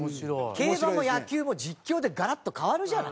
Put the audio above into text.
競馬も野球も実況でガラッと変わるじゃない。